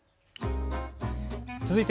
続いて＃